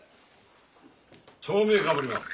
丁目かぶります。